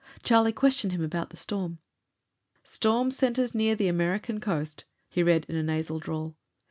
Charlie questioned him about the storm. "Storm center nears the American coast," he read in a nasal drawl.